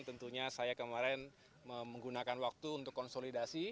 tentunya saya kemarin menggunakan waktu untuk konsolidasi